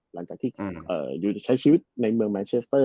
หลังจากที่อยู่ใช้ชีวิตในเมืองแมนเชสเตอร์